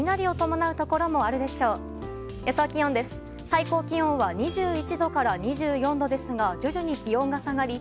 最高気温は２１度から２４度ですが徐々に気温が下がり